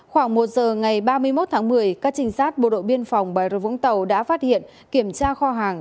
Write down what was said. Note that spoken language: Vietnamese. khoảng một giờ ngày ba mươi một tháng một mươi các trinh sát bộ đội biên phòng bà rơ vũng tàu đã phát hiện kiểm tra kho hàng